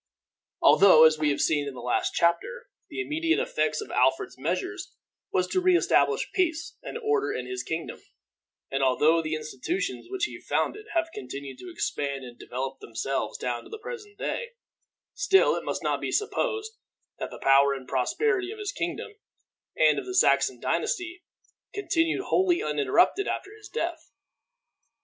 Although, as we have seen in the last chapter, the immediate effects of Alfred's measures was to re establish peace and order in his kingdom, and although the institutions which he founded have continued to expand and develop themselves down to the present day, still it must not be supposed that the power and prosperity of his kingdom and of the Saxon dynasty continued wholly uninterrupted after his death.